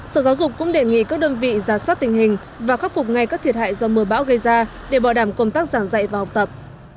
sở giáo dục cũng đề nghị các đơn vị giả soát tình hình và khắc phục ngay các thiệt hại do mưa bão gây ra để bỏ đảm công tác giảng dạy và học tập